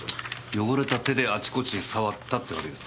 汚れた手であちこち触ったってわけですか？